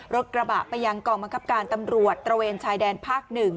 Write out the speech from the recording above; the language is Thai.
รถกระบะไปยังกองบังคับการตำรวจตระเวนชายแดนภาค๑